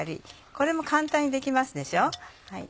これも簡単にできますでしょう？